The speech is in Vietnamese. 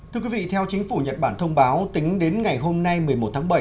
thưa quý vị theo chính phủ nhật bản thông báo tính đến ngày hôm nay một mươi một tháng bảy